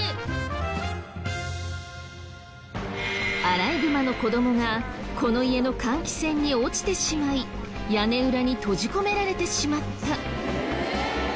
アライグマの子どもがこの家の換気扇に落ちてしまい屋根裏に閉じ込められてしまった。